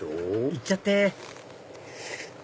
いっちゃって！